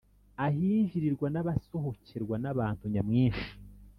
ahinjirirwa, nabasohokerwa n’abantu nyamwinshi